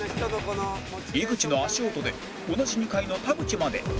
井口の足音で同じ２階の田渕まで